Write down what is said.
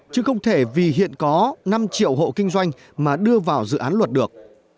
chứ không thể vì hiện có năm triệu hộ kinh doanh mà đưa vào dự án luật được